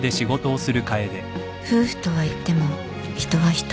夫婦とはいっても人は人